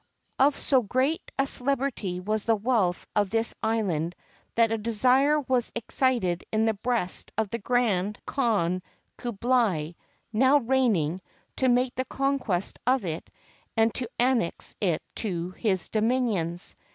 Of so great a celebrity was the wealth of this island that a desire was excited in the breast of the Grand Khan Kublai, now reigning, to make the conquest of it and to annex it to his dominions.